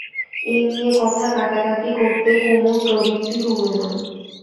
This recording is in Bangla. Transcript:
এ নিয়ে কথা-কাটাকাটি করতে কুমুর প্রবৃত্তি হল না।